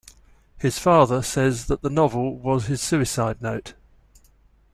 His father says that the novel was his suicide note.